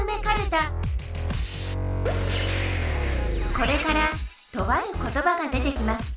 これからとあることばが出てきます。